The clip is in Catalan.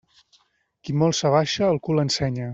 Qui molt s'abaixa, el cul ensenya.